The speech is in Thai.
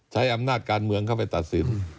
ใช้อำนาจการเมืองเข้าไปตัดสิน